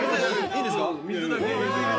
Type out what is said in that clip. いいですか？